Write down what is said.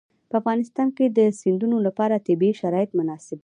په افغانستان کې د سیندونه لپاره طبیعي شرایط مناسب دي.